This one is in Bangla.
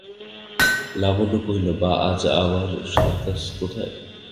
লাবণ্য কহিল, বাঃ, আজ আবার সার্কাস কোথায়?